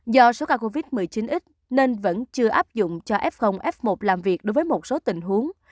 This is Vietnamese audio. do số ca covid một mươi chín ít nên vẫn chưa áp dụng cho f f một làm việc đối với một số tình huống